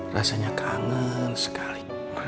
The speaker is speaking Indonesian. rasanya kangen sekali